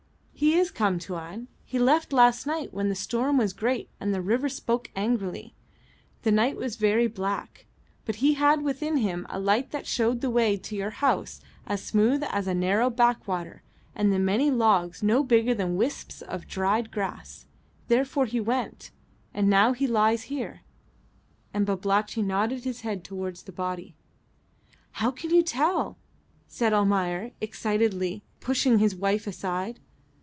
"He is come, Tuan. He left last night when the storm was great and the river spoke angrily. The night was very black, but he had within him a light that showed the way to your house as smooth as a narrow backwater, and the many logs no bigger than wisps of dried grass. Therefore he went; and now he lies here." And Babalatchi nodded his head towards the body. "How can you tell?" said Almayer, excitedly, pushing his wife aside.